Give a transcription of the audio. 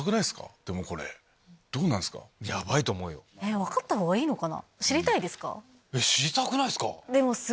分かったほうがいいのかな？